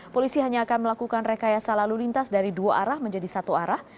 polisi hanya akan melakukan rekayasa lalu lintas dari dua arah menjadi satu arah